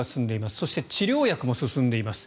そして、治療薬も進んでいます。